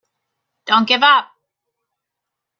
Don't give up!.